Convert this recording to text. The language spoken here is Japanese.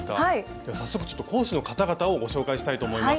では早速講師の方々をご紹介したいと思います。